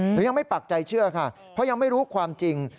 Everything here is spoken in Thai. หนูยังไม่ปักใจเชื่อค่ะเพราะยังไม่รู้ความจริง